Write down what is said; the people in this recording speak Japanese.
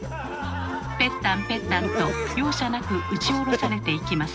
ペッタンペッタンと容赦なく打ち下ろされていきます。